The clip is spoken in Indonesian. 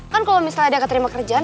kan kalau misalnya ada keterima kerjaan